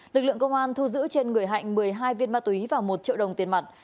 lực lượng công an thu giữ trên người hạnh một mươi hai viên ma túy và một triệu đồng tiền mặt